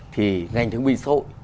thì ngành thương binh xã hội